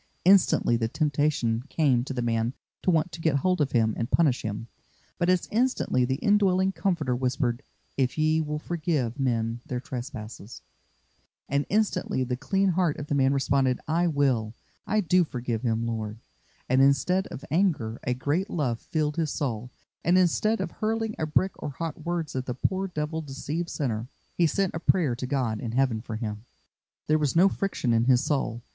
Instantly the temptation came to the man to want to get hold of him and punish him, but as instantly the indwelling Comforter whispered, "If ye will forgive men their trespasses;" and instantly the clean heart of the man responded, "I will, I do forgive him, Lord;" and instead of anger a great love filled his soul, and instead of hurling a brick or hot words at the poor Devil deceived sinner, he sent a prayer to God in Heaven for him. There was no friction in his soul.